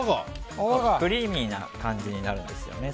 クリーミーな感じになるんですよね。